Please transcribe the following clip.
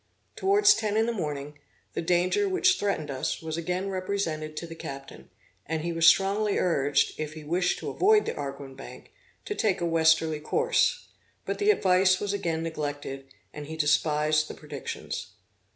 Towards ten in the morning, the danger which threatened us was again represented to the captain, and he was strongly urged, if he wished to avoid the Arguin Bank, to take a westerly course; but the advice was again neglected, and he despised the predictions.